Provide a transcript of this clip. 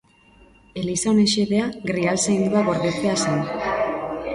Eliza honen xedea Grial Saindua gordetzea zen.